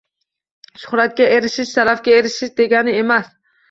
Shuhratga erishish sharafga erishish degani emas